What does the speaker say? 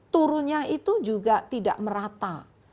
turunnya itu juga tidak merata